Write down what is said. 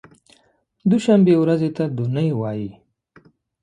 دوشنبې ورځې ته دو نۍ وایی